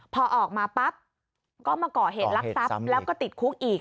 พอออกมาปั๊บก็มาก่อเหตุลักษัพแล้วก็ติดคุกอีก